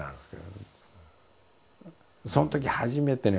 そのとき初めてね